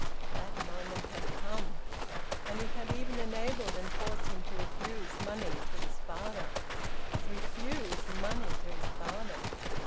That moment had come, and it had even enabled and forced him to refuse money to his father refuse money to his father!